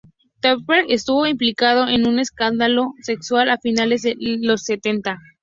Thorpe estuvo implicado en un escándalo sexual a finales de los setenta.